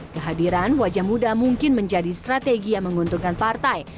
kehadiran wajah muda mungkin menjadi strategi yang menguntungkan partai